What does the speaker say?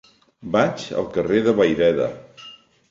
Vaig al carrer de Vayreda.